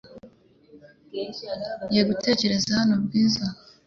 Ngiye gutegereza hano Bwiza .